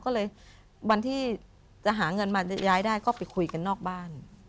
ก็เลยวันที่จะหาเงินมาย้ายได้ก็ไปคุยกันนอกบ้าน